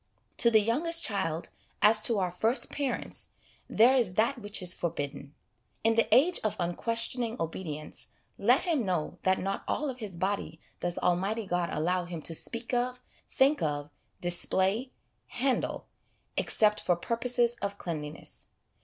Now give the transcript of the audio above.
To the youngest child, as to our first parents, there is that which is forbidden. In the age of unquestioning obedience, let him know that not all of his body does Almighty God allow him to speak of, think of, display, handle, except for purposes of cleanliness.